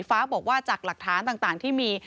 ฟ้าบอกว่าจากหลักฐานต่างที่มี